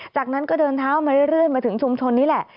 จากนั้นก็เดินเท้ามาเรื่อยมาถึงชุมชนนี้แหละ